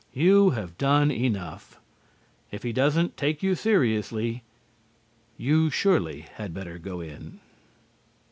You have done enough. If he doesn't take you seriously, you surely had better go in.